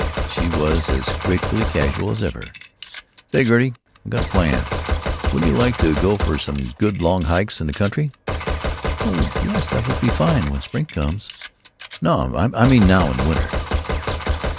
She was as gratefully casual as ever. "Say, Gertie, I've got a plan. Wouldn't you like to go for some good long hikes in the country?" "Oh yes; that would be fine when spring comes." "No; I mean now, in the winter."